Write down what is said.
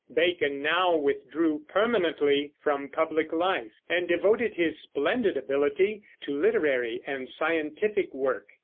Bacon now withdrew permanently from public life, and devoted his splendid ability to literary and scientific work.